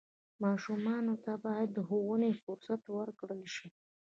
ماشومانو ته باید د ښوونې فرصت ورکړل شي.